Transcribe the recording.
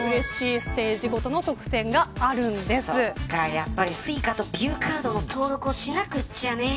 やっぱりＳｕｉｃａとビューカードの登録をそうなの。